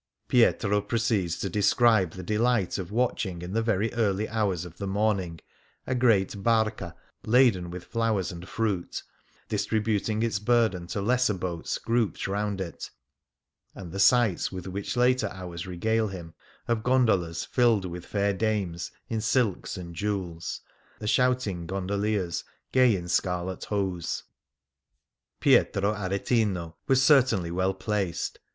Pietro proceeds to describe the delight of watching in the very early hours of the morning a great harca laden with flowers and fruit, distributing its burden to lesser boats grouped round it ; and the sights with which later hours regale him, of gondolas filled with fair dames in silks and jewels, the shouting gondoliers gay in scarlet hose. Pietro Aretino was certainly well placed.